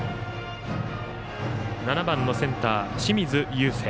７番、センター、清水友惺。